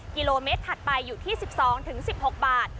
กิโลเมตรถัดไปอยู่ที่๑๒๑๖บาท